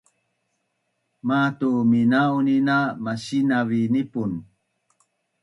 Matu mina’un’nin a masinav i nipun